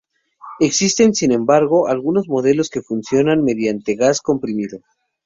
Existen, sin embargo, algunos modelos que funcionan mediante gas comprimido.